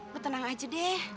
lo tenang aja deh